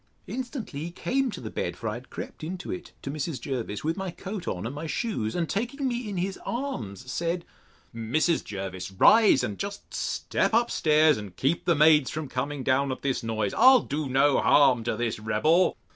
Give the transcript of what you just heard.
Instantly he came to the bed (for I had crept into it, to Mrs. Jervis, with my coat on, and my shoes); and taking me in his arms, said, Mrs. Jervis, rise, and just step up stairs to keep the maids from coming down at this noise: I'll do no harm to this rebel.